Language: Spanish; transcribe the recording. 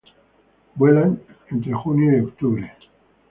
Vuelan entre junio y octubre.